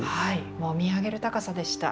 もう見上げる高さでした。